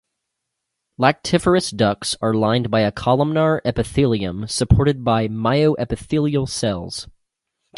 Lactiferous ducts are lined by a columnar epithelium supported by myoepithelial cells.